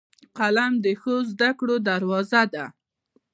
قلم د ښو زدهکړو دروازه ده